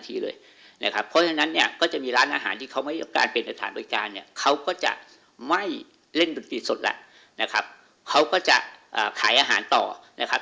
เขาก็จะไม่เล่นบุตรกีศสดละนะครับเขาก็จะอ่าขายอาหารต่อนะครับ